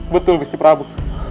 betul kusti prabu